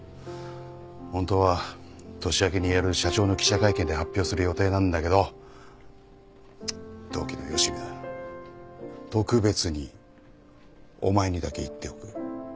本当は年明けにやる社長の記者会見で発表する予定なんだけど同期のよしみだ特別にお前にだけ言っておく。